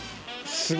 すごい。